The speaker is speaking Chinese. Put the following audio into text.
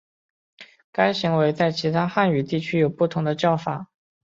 该行为在其他汉语地区有不同的叫法。